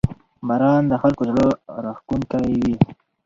• باران د خلکو زړه راښکونکی وي.